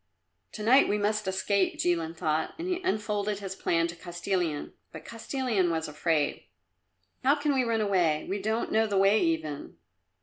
"To night we must escape," Jilin thought, and he unfolded his plan to Kostilin. But Kostilin was afraid. "How can we run away? We don't know the way even."